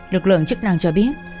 lực lượng chức năng cho biết